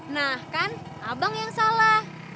nah kan abang yang salah